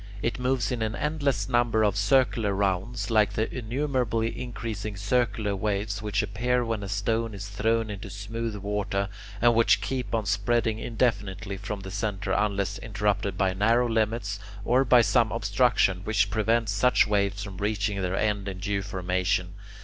It moves in an endless number of circular rounds, like the innumerably increasing circular waves which appear when a stone is thrown into smooth water, and which keep on spreading indefinitely from the centre unless interrupted by narrow limits, or by some obstruction which prevents such waves from reaching their end in due formation.